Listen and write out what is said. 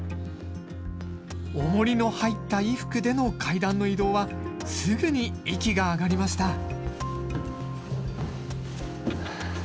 おもりの入った衣服での階段の移動はすぐに息が上がりました。